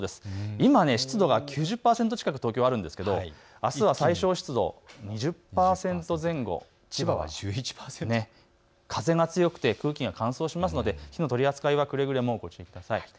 今、湿度が９０％近く東京はあるんですがあすは最小湿度、２０％前後、千葉は１１％、風が強くて空気が乾燥しますので火の取り扱いはくれぐれもご注意ください。